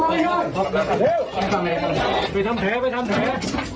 ไปเกลียดกันเลย